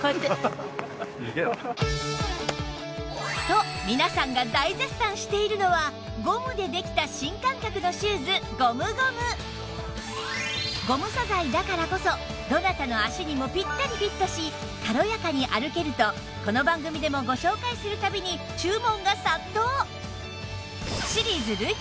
と皆さんが大絶賛しているのはゴムでできたゴム素材だからこそどなたの足にもぴったりフィットし軽やかに歩けるとこの番組でもご紹介する度に注文が殺到！